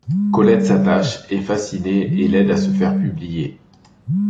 Colette s’attache, est fascinée et l’aide à se faire publier.